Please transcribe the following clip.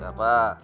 gak usah ngerti